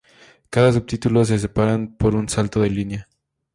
Cada subtítulo se separan por un salto de línea.